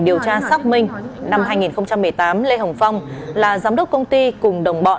điều tra xác minh năm hai nghìn một mươi tám lê hồng phong là giám đốc công ty cùng đồng bọn